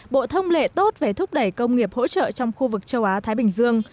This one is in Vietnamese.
bộ thông lệ tốt về thúc đẩy công nghiệp hỗ trợ trong khu vực châu á thái bình dương